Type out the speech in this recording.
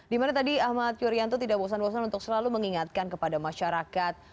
dimana tadi ahmad yuryanto tidak bosan bosan untuk selalu mengingatkan kepada masyarakat